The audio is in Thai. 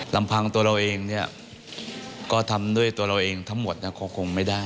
ลำพังตัวเราเองเนี่ยก็ทำด้วยตัวเราเองทั้งหมดก็คงไม่ได้